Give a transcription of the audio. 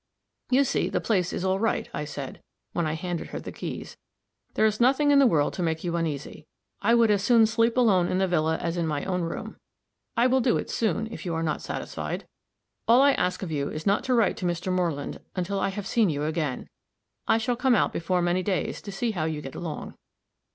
"You see the place is all right," I said, when I handed her the keys. "There is nothing in the world to make you uneasy. I would as soon sleep alone in the villa as in my own room. I will do it, soon, if you are not satisfied. All I ask of you is not to write to Mr. Moreland until I have seen you again. I shall come out before many days, to see how you get along."